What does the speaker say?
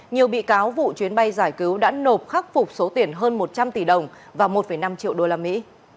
nhiều bị cáo vụ chuyến bay giải cứu đã nộp khắc phục số tiền hơn một trăm linh tỷ đồng và một năm triệu đô la mỹ